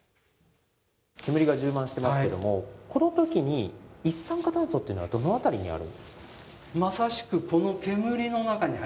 煙が充満してますけども、このときに、一酸化炭素というのはどの辺りにある？